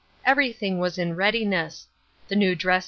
Everything was in readiness. The new dresse?